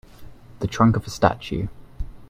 The trunk of a statue.